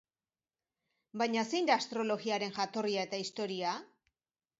Baina zein da astrologiaren jatorria eta historia?